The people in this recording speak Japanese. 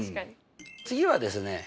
次はですね